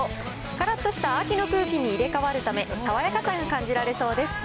からっとした秋の空気に入れ代わるため、爽やかさが感じられそうです。